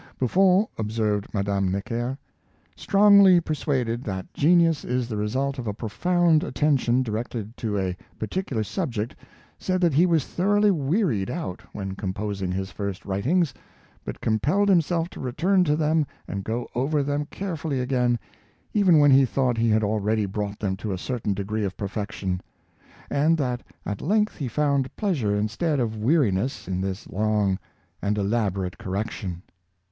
" Buffon," ob served Madame Necker, '' strongly persuaded that genius is the result of a profound attention directed to a particular subject, said that he was thoroughly wearied out when composing his first writings, but compelled himself to return to them and go over them carefully again, even when he thought he had already brought them to a certain degree of perfection; and that at length he found pleasure instead of weariness in this long and elaborate correction."